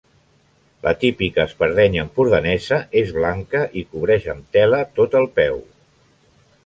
La típica espardenya empordanesa és blanca i cobreix amb tela tot el peu.